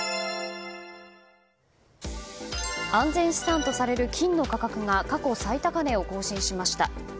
安全資産とされる金の価格が過去最高値を更新しました。